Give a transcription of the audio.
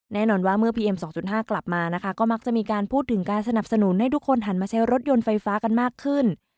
แน่นอนว่าเมื่อพีเอ็ม๒๕กลับมานะคะก็มักจะมีการพูดถึงการสนับสนุนให้ทุกคนหันมาใช้รถยนต์ไฟฟ้ากันมากขึ้น